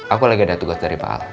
aku lagi ada tugas dari paal